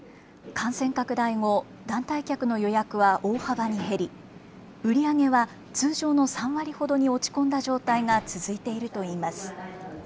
感染拡大後、団体客の予約は大幅に減り、売り上げは通常の３割ほどに落ち込んだ状態が続いているといいます。